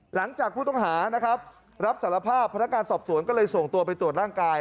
หลังจากผู้ต้องหานะครับรับสารภาพพนักการสอบสวนก็เลยส่งตัวไปตรวจร่างกาย